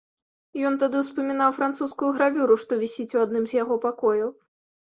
Ён тады ўспамінаў французскую гравюру, што вісіць у адным з яго пакояў.